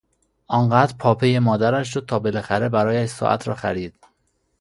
آن قدر پاپی مادرش شد تا بالاخره برایش ساعت را خرید.